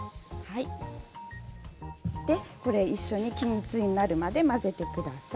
均一になるまで混ぜてください。